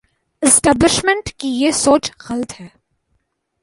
Establishment کی یہ سوچ غلط ہے۔